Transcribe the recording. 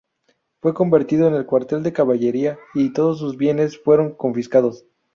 Fue convertido en cuartel de caballería y todos sus bienes fueron confiscados.